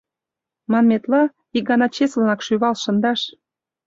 Манметла, ик гана чеслынак шӱвал шындаш.